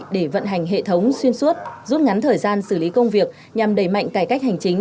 để vận hành hệ thống xuyên suốt rút ngắn thời gian xử lý công việc nhằm đẩy mạnh cải cách hành chính